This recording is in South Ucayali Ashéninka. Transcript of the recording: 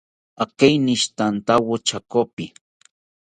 Akeinishitantawo chekopi